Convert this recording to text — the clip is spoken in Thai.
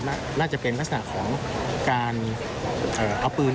น่าจะเป็นลักษณะของการเอาปืน